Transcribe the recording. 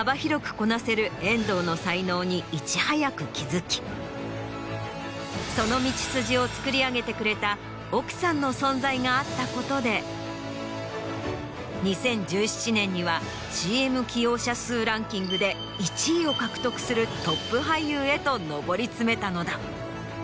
こなせる遠藤の才能にいち早く気づきその道筋をつくり上げてくれた奥さんの存在があったことで２０１７年にはＣＭ起用社数ランキングで１位を獲得するトップ俳優へと上り詰めたのだ。